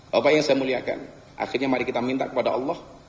bapak yang saya muliakan akhirnya mari kita minta kepada allah